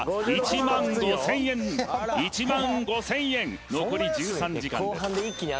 １万５０００円１万５０００円残り１３時間です